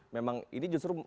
memang ini justru